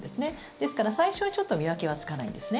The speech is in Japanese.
ですから最初はちょっと見分けはつかないんですね。